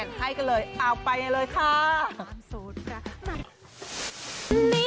ไม่เชื่อไปฟังกันหน่อยค่ะ